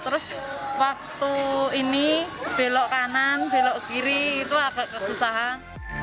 terus waktu ini belok kanan belok kiri itu agak kesusahan